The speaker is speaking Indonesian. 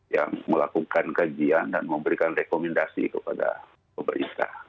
yang melakukan kajian dan memberikan rekomendasi kepada pemerintah